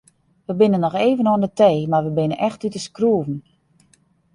We binne noch even oan de tee mar we binne echt út de skroeven.